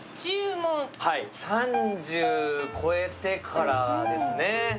３０超えてからですね